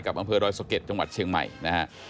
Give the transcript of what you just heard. อำเภอดอยสะเก็ดจังหวัดเชียงใหม่นะฮะ